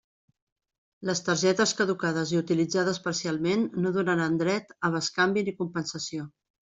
Les targetes caducades i utilitzades parcialment no donaran dret a bescanvi ni compensació.